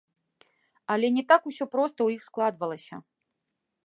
Але не так усё проста ў іх складвалася.